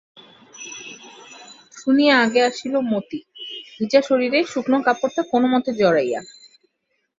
শুনিয়া আগে আসিল মতি, ভিজা শরীরে শুকনো কাপড়টা কোনোমতে জড়াইয়া।